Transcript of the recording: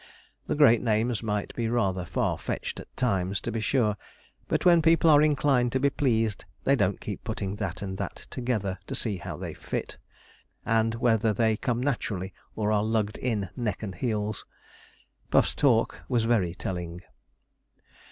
The great names might be rather far fetched at times, to be sure, but when people are inclined to be pleased they don't keep putting that and that together to see how they fit, and whether they come naturally or are lugged in neck and heels. Puff's talk was very telling.